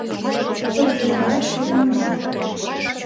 Пырдыж гае шурнына.